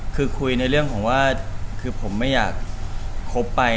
คือคุยผมไม่อยากคบไป